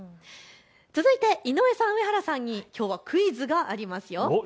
続いて井上さん、上原さんにきょうはクイズがありますよ。